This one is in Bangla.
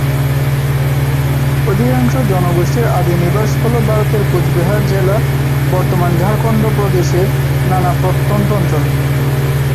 অধিকাংশ জনগোষ্ঠীর আদি নিবাস হলো ভারতের কুচবিহার জেলা বর্তমান ঝাড়খন্ড প্রদেশের নানা প্রত্যন্ত অঞ্চলে।